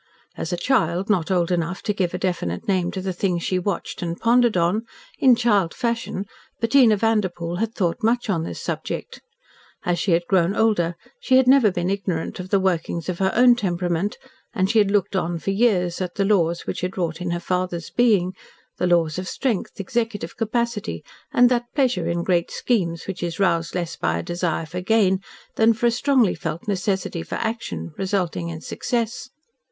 As a child, not old enough to give a definite name to the thing she watched and pondered on, in child fashion, Bettina Vanderpoel had thought much on this subject. As she had grown older, she had never been ignorant of the workings of her own temperament, and she had looked on for years at the laws which had wrought in her father's being the laws of strength, executive capacity, and that pleasure in great schemes, which is roused less by a desire for gain than for a strongly felt necessity for action, resulting in success.